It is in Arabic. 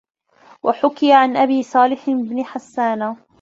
وَحُكِيَ عَنْ أَبِي صَالِحِ بْنِ حَسَّانَ